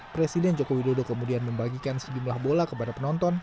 presiden joko widodo kemudian membagikan sejumlah bola kepada penonton